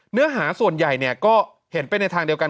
เนื้อหาส่วนใหญ่ก็เห็นไปในทางเดียวกัน